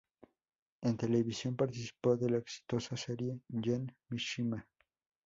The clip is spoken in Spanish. En televisión participó de la exitosa serie "Gen Mishima".